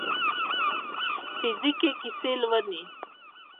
فزیک هغه کیسې لولي.